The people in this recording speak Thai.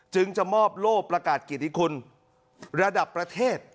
จึงจะมอบโลกประกาศเกียรติคุณระดับประเทศ